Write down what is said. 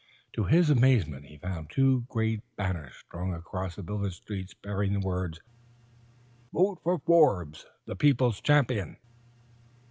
To his amazement he found two great banners strung across the village streets bearing the words: "_Vote for Forbes the People's Champion!